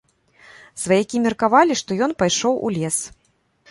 Сваякі меркавалі, што ён пайшоў у лес.